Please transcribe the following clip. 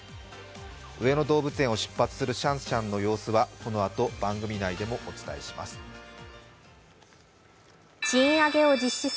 上野動物園を出発するシャンシャンの様子はこのあと番組内でもお伝えします。